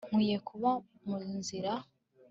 nkwiye kuba munzira